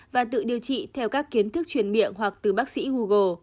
và tự điều trị theo các kiến thức truyền miệng hoặc từ bác sĩ google